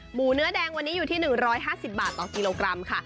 หมูเนื้อแดงอยู่ที่๑๕๐บาทตกก